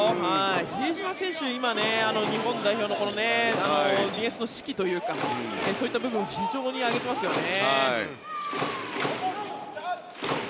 比江島選手、今、日本代表のディフェンスの士気というかそういった部分非常に上げていますよね。